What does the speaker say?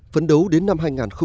phấn đấu đến năm hai nghìn hai mươi